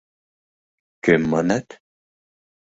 — Кӧм манат?